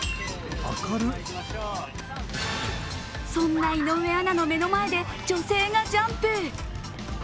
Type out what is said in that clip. そんな井上アナの目の前で女性がジャンプ。